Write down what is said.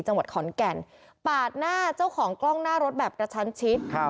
จังหวัดขอนแก่นปาดหน้าเจ้าของกล้องหน้ารถแบบกระชั้นชิดครับ